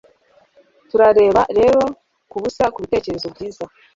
turareba rero kubusa kubitekerezo byiza